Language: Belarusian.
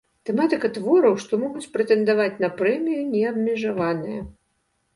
Тэматыка твораў, што могуць прэтэндаваць на прэмію, неабмежаваная.